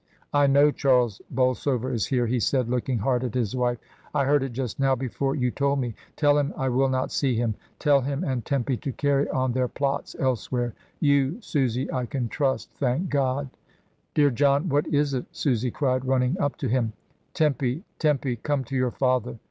"I know Charles Bolsover is here," he said, looking hard at his wife. "I heard it just now be fore you told me. Tell him I will not see him. Tell him and Tempy to carry on their plots else where. You, Susy, I can trust, thank God." "Dear John, what is it?" Susy cried, running up to him. "Tempy, Tempy, come to your father!